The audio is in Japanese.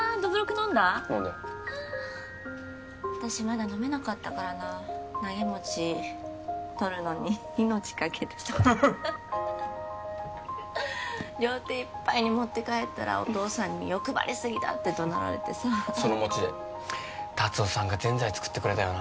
飲んだよああ私まだ飲めなかったからなあ投げ餅取るのに命かけてた両手いっぱいに持って帰ったらお父さんに「欲張りすぎだ」って怒鳴られてさその餅で達雄さんがぜんざい作ってくれたよな